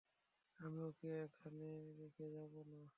আমি ওকে এখানে রেখে যাব না।